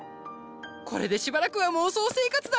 これでしばらくは妄想生活だ！